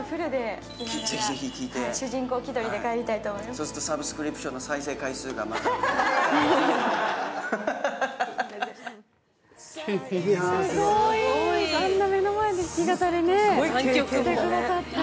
そうするとサブスプリクションの再生回数がまたすごい、あんな目の前で弾き語りしてくださって。